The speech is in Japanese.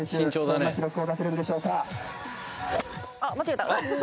どんな記録を出せるんでしょうかあっ